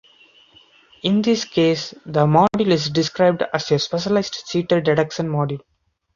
In this case, the module is described as a specialized cheater-detection module.